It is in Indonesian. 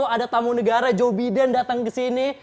ada tamu negara joe biden datang ke sini